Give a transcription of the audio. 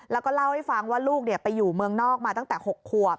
แล้วก็เล่าให้ฟังว่าลูกไปอยู่เมืองนอกมาตั้งแต่๖ขวบ